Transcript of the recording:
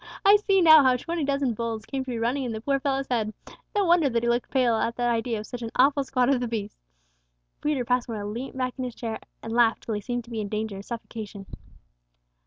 I see now how twenty dozen bulls came to be running in the poor fellow's head; no wonder that he looked pale at the idea of such an awful squad of the beasts!" Peter Passmore leant back in his chair, and laughed till he seemed to be in danger of suffocation.